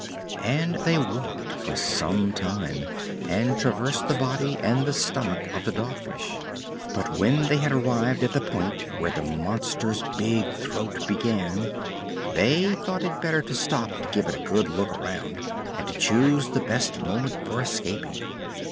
And they walked for some time and traversed the body and the stomach of the Dog Fish. But when they had arrived at the point where the monster's big throat began, they thought it better to stop to give a good look around and to choose the best moment for escaping.